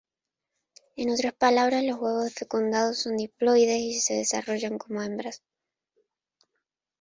En otras palabras los huevos fecundados son diploides y se desarrollan como hembras.